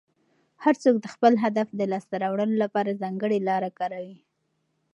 هر څوک د خپل هدف د لاسته راوړلو لپاره ځانګړې لاره کاروي.